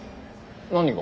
何が？